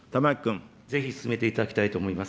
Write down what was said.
ぜひ進めていただきたいと思います。